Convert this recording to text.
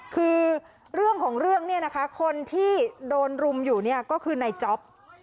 คือเรื่องของเรื่องเนี่ยนะคะคนที่โดนรุมอยู่เนี่ยก็คือนายจ๊อป